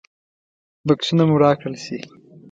بکسونه مو راکړل شي.